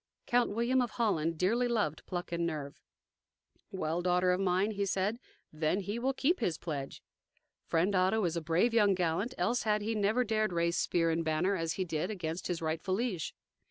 Count William of Holland dearly loved pluck and nerve. "Well, daughter mine," he said, "then will he keep his pledge. Friend Otto is a brave young gallant, else had he never dared raised spear and banner, as he did, against his rightful liege."